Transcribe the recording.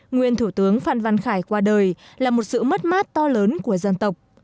nguyên thủ tướng phan văn khải qua đời là một sự mất mát to lớn của dân tộc